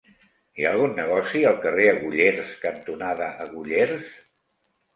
Hi ha algun negoci al carrer Agullers cantonada Agullers?